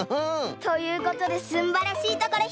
ということですんばらしいところひとつめは。